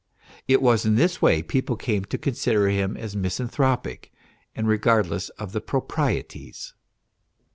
It was in this way people came to consider him as misanthropic and regardless of the proprieties.